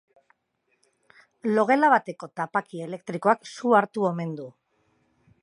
Logela bateko tapaki elektrikoak su hartu omen du.